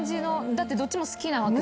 だってどっちも好きなわけ。